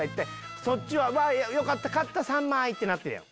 そっちは「よかった勝った３枚！」ってなってるやん。